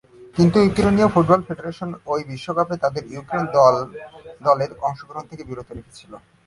কিন্তু ইউক্রেনীয় football federation ঐ বিশ্বকাপে তাদেরকে ইউক্রেন ফুটবল দলে অংশগ্রহণ থেকে বিরত রেখেছিল।